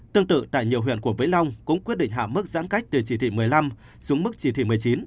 tương tự tại nhiều huyện của vĩnh long cũng quyết định hạ mức giãn cách từ chỉ thị một mươi năm xuống mức chỉ thị một mươi chín